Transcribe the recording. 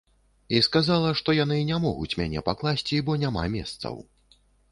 І сказала, што яны не могуць мяне пакласці, бо няма месцаў.